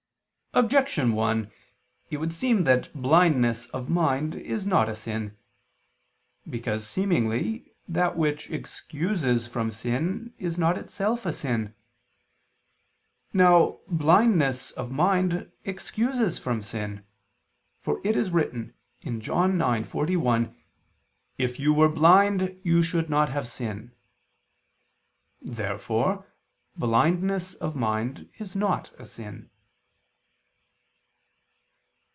Objection 1: It would seem that blindness of mind is not a sin. Because, seemingly, that which excuses from sin is not itself a sin. Now blindness of mind excuses from sin; for it is written (John 9:41): "If you were blind, you should not have sin." Therefore blindness of mind is not a sin.